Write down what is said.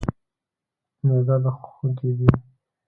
معده د خوږیږي؟